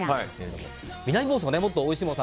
南房総ね、もっとおいしいもの